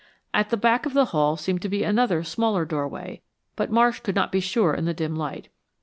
At the back of the hall seemed to be another smaller doorway, but Marsh could not be sure in the dim light.